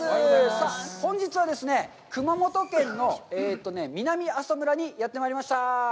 さあ、本日は、熊本県の南阿蘇村にやってまいりました。